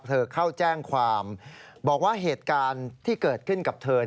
เธอเข้าแจ้งความบอกว่าเหตุการณ์ที่เกิดขึ้นกับเธอ